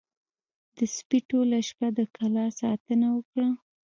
د سپي ټوله شپه د کلا ساتنه وکړه.